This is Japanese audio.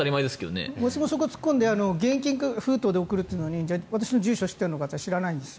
私もそこは突っ込んで現金封筒で送るというので私の住所を知っているのかといったら知らないんです。